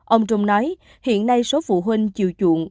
ông trung nói hiện nay số phụ huynh chịu chuộng